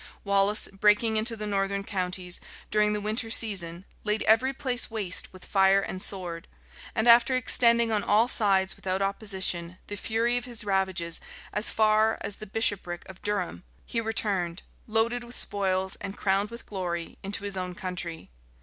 Wallace, breaking into the northern counties during the winter season, laid every place waste with fire and sword; and after extending on all sides, without opposition, the fury of his ravages as far as the bishopric of Durham, he returned, loaded with spoils and crowned with glory, into his own country.